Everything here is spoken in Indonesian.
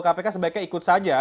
kpk sebaiknya ikut saja